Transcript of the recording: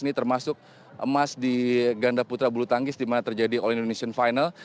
ini termasuk emas di gandaputra bulutanggis di mana terjadi all indonesian final